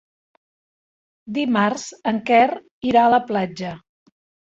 Dimarts en Quer irà a la platja.